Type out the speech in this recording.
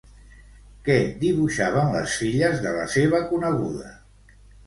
Què dibuixaven les filles de la seva coneguda?